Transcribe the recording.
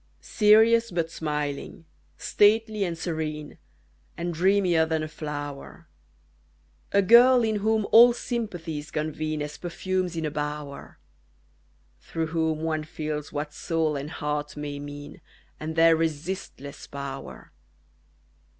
Serious but smiling, stately and serene, And dreamier than a flower; A girl in whom all sympathies convene As perfumes in a bower; Through whom one feels what soul and heart may mean, And their resistless power.